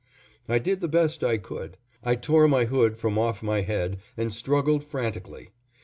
I did the best I could. I tore my hood from off my head and struggled frantically.